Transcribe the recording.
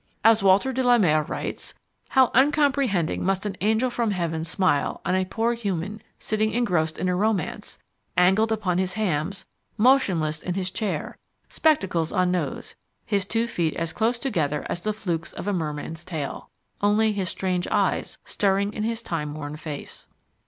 As Walter de la Mare writes, "How uncomprehendingly must an angel from heaven smile on a poor human sitting engrossed in a romance: angled upon his hams, motionless in his chair, spectacles on nose, his two feet as close together as the flukes of a merman's tail, only his strange eyes stirring in his time worn face."